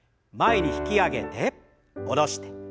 前に引き上げて下ろして。